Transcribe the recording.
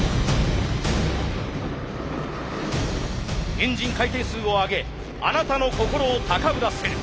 エンジン回転数を上げあなたの心を高ぶらせる。